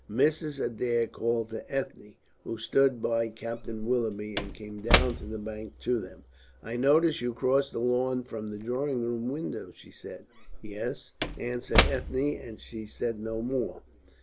Mrs. Adair called to Ethne, who stood by Captain Willoughby, and came down the bank to them. "I noticed you cross the lawn from the drawing room window," she said. "Yes?" answered Ethne, and she said no more.